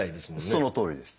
そのとおりです。